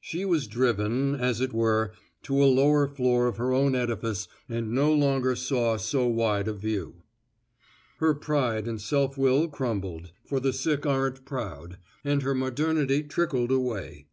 She was driven, as it were, to a lower floor of her own edifice and no longed saw so wide a view. Her pride and self will crumbled for the sick aren't proud and her modernity trickled away.